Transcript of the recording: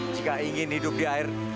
jika ingin hidup di air